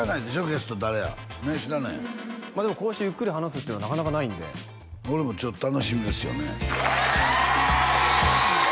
ゲスト誰やねっ知らないまあでもこうしてゆっくり話すっていうのはなかなかないんで俺もちょっと楽しみですよね